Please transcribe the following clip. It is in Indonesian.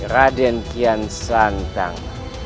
raden kian santang